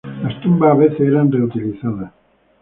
Las tumbas a veces eran reutilizadas.